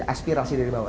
aspirasi dari bawah